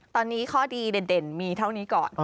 ตอนนี้ข้อดีเด่นมีเท่านี้ก่อน